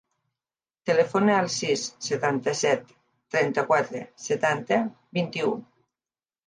Telefona al sis, setanta-set, trenta-quatre, setanta, vint-i-u.